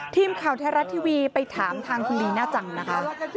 ทีมข่าวไทยรัฐทีวีไปถามทางคุณลีน่าจังนะคะ